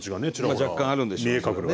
若干あるんでしょう。